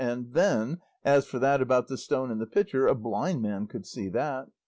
and then, as for that about the stone and the pitcher, a blind man could see that.